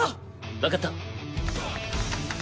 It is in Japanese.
わかった。